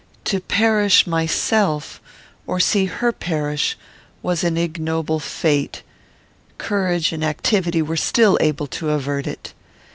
To perish myself, or see her perish, was an ignoble fate; courage and activity were still able to avert it.